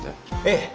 ええ。